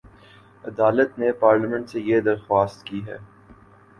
عدالت نے پارلیمنٹ سے یہ درخواست کی ہے